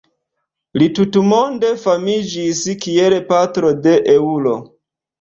Li tutmonde famiĝis kiel patro de eŭro.